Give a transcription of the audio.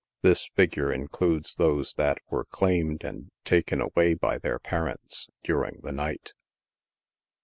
This figure includes those that were claimed and taken away by their parents during the night.